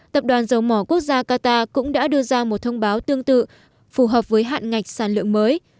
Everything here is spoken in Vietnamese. tập đoàn dầu mỏ quốc gia qatar cũng đã đưa ra một thông báo tương tự phù hợp với hạn ngạch sản lượng mới